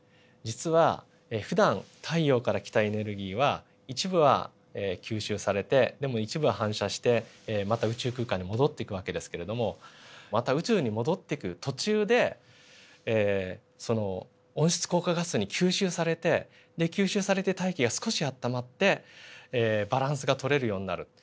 実はふだん太陽から来たエネルギーは一部は吸収されてでも一部は反射してまた宇宙空間に戻っていく訳ですけれどもまた宇宙に戻っていく途中でその温室効果ガスに吸収されて吸収されて大気が少しあったまってバランスが取れるようになる。